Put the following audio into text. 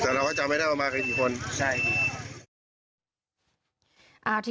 แต่เราก็จำไม่ได้ว่ามากันกี่คนใช่ครับ